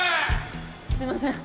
すいません。